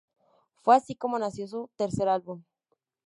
Fue así como nació su tercer álbum.